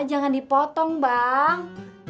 jangan dipotong bang